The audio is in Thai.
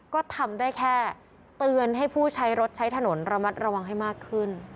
ก็ทำได้แค่เตือนให้ผู้ใช้รถใช้ถนนระมัดระวังให้มากขึ้น